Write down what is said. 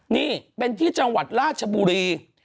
นี่เป็นที่จังหวัดราชบุรี